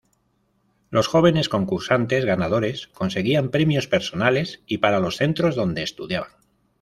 Los jóvenes concursantes ganadores conseguían premios personales y para los centros donde estudiaban.